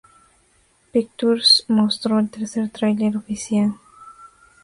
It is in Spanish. Pictures mostró el tercer tráiler oficial.